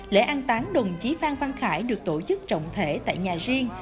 lễ an táng đồng chí phan văn khải được tổ chức trọng thể tại nhà riêng